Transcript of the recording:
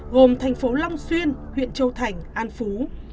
gồm thành phố long xuyên huyện châu thành an phú